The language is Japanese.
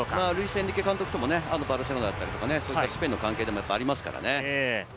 エンリケ監督ともバルセロナだったり、スペインの関係でもありますからね。